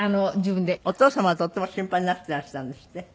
お父様はとっても心配になっていらしたんですって。